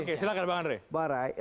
oke silahkan bang andre